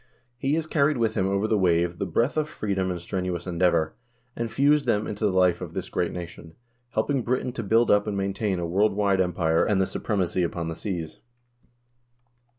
He has carried with him over the wave the breath of freedom and strenuous endeavor, and fused them into the life of this great nation, helping Britain to build up and maintain a world wide empire and the supremacy upon the seas."